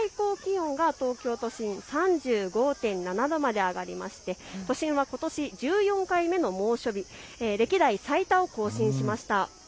また日中の最高気温が東京都心３５．７度まで上がりまして、都心はことし１４回目の猛暑日、歴代最多を更新しました。